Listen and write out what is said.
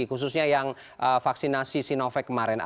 khususnya yang vaksinasi sinovac kemarin